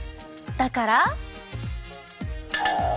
だから。